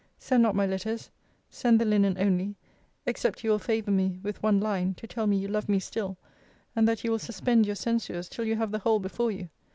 Send not my letters. Send the linen only: except you will favour me with one line, to tell me you love me still; and that you will suspend your censures till you have the whole before you.